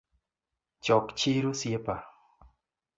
Chok chir osiepa.